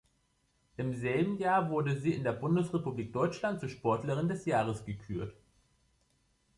Im selben Jahr wurde sie in der Bundesrepublik Deutschland zur Sportlerin des Jahres gekürt.